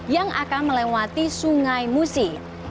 yang akan melewati sungai musi